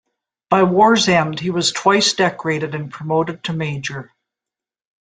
By war's end he was twice decorated and promoted to major.